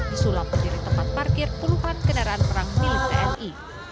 disulap menjadi tempat parkir puluhan kendaraan perang milik tni